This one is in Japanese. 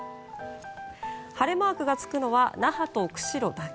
晴れマークがつくのは那覇と釧路だけ。